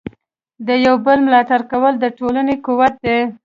د یو بل ملاتړ کول د ټولنې قوت دی.